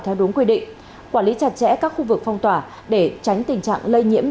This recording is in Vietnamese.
theo đúng quy định quản lý chặt chẽ các khu vực phong tỏa để tránh tình trạng lây nhiễm